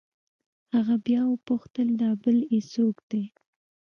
هغه بيا وپوښتل دا بل يې سوک دې.